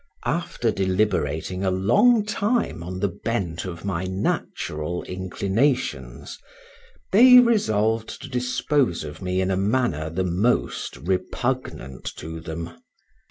After deliberating a long time on the bent of my natural inclination, they resolved to dispose of me in a manner the most repugnant to them.